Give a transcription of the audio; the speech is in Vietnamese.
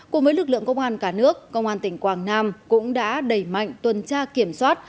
cùng với lực lượng công an cả nước công an tỉnh quảng nam cũng đã đẩy mạnh tuần tra kiểm soát